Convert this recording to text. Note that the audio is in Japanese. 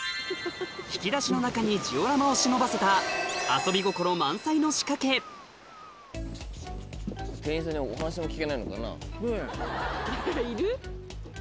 引き出しの中にジオラマを忍ばせた遊び心満載の仕掛け店員さんにお話も聞けないのかな。